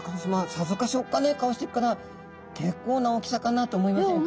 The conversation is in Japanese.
さぞかしおっかない顔してるから結構な大きさかなと思いませんか？